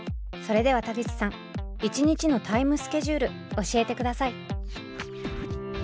それでは田口さん１日のタイムスケジュール教えてください！